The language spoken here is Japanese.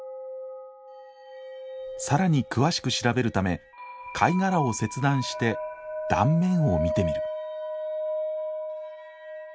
更に詳しく調べるため貝殻を切断して断面を見てみる。